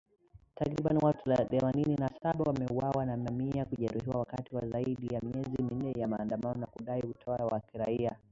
Takribani watu themanini na saba wameuawa na mamia kujeruhiwa wakati wa zaidi ya miezi minne ya maandamano ya kudai utawala wa kiraia.